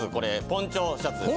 ポンチョシャツ？